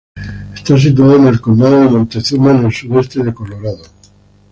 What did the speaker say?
Está situado en el condado de Montezuma, en el sudoeste de Colorado.